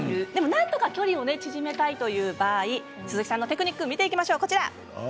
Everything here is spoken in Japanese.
何とか距離を縮めたいという場合鈴木さんのテクニックを見ていきましょう。